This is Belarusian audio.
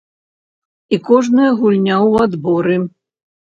І кожная гульня ў адборы.